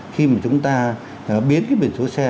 khi mà chúng ta biến cái biển số xe